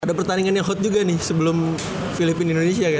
ada pertandingan yang hot juga nih sebelum filipina indonesia kan